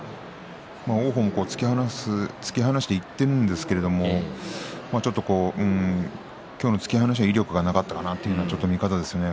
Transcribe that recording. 王鵬も突き放していっているんですけれど今日の突き放しは威力がなかったかなという見方ですね。